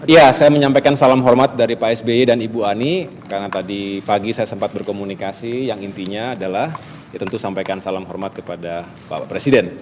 ya saya menyampaikan salam hormat dari pak sby dan ibu ani karena tadi pagi saya sempat berkomunikasi yang intinya adalah ya tentu sampaikan salam hormat kepada bapak presiden